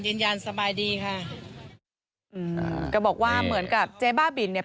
ยืนยันสบายดีค่ะอืมก็บอกว่าเหมือนกับเจ๊บ้าบินเนี่ย